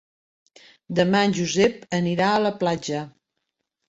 Demà en Josep anirà a la platja.